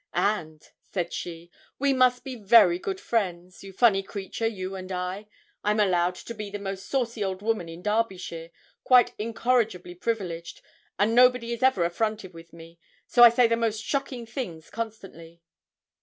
'And,' said she, 'we must be very good friends you funny creature, you and I. I'm allowed to be the most saucy old woman in Derbyshire quite incorrigibly privileged; and nobody is ever affronted with me, so I say the most shocking things constantly.'